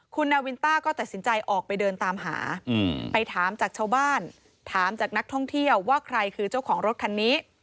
คุณนาวินต้าก็ตัดสินใจออกไปเดินตามหาไปถามจากชาวบ้านถามจากนักท่องเที่ยวว่าใครคือเจ้าของรถคันนี้